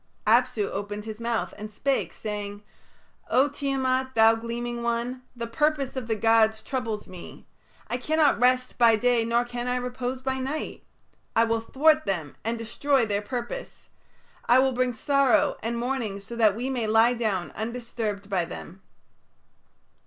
Apsu opened his mouth and spake, saying, "O Tiamat, thou gleaming one, the purpose of the gods troubles me. I cannot rest by day nor can I repose by night. I will thwart them and destroy their purpose. I will bring sorrow and mourning so that we may lie down undisturbed by them."